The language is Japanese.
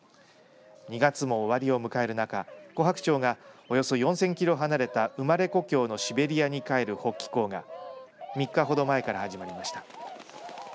２月も終わりを迎える中コハクチョウが、およそ４０００キロ離れた生まれ故郷のシベリアに帰る北帰行が３日ほど前から始まりました。